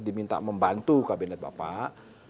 diminta membantu kabinet bapak